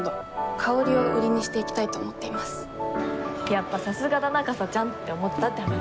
やっぱさすがだなかさちゃんって思ったって話。